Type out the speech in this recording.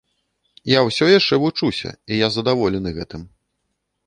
Я ўсё яшчэ вучуся, і я задаволены гэтым.